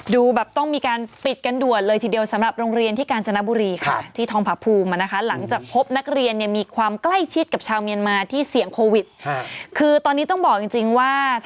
ดูต้องมีการปิดกันด่วนเลยทีเดียว